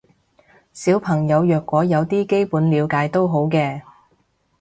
小朋友若果有啲基本了解都好嘅